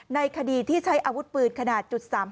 ในคดีที่ใช้อาวุธปืนขนาด๓๘